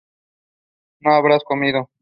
No habrás comido